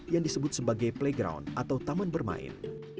yang disebut sebagai playground atau taman bermain